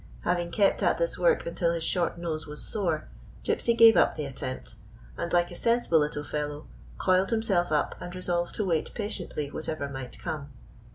Having kept at this work until his short nose was sore, Gypsy *57 GYPSY, THE TALKING DOG gave up the attempt, and, like a sensible little fellow, coiled liimself up and resolved to wait patiently whatever might come.